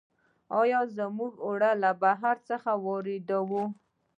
آیا موږ اوړه له بهر څخه واردوو؟